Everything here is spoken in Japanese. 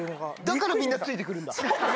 だからみんなついてくるんだ。